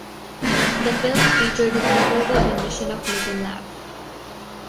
The film featured his memorable rendition of "Make 'Em Laugh".